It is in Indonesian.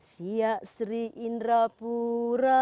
siap sri indrapura